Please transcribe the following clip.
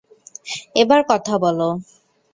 এবার কথা বলো।